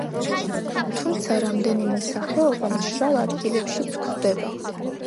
თუმცა რამდენიმე სახეობა მშრალ ადგილებშიც გვხვდება.